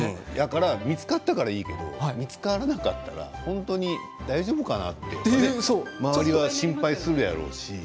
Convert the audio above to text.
見つかったからいいですけれども見つからなかったら本当に大丈夫かなって周りは心配するやろうし。